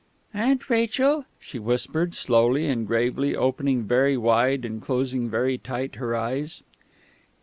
"Aunt Rachel " she whispered, slowly and gravely opening very wide and closing very tight her eyes.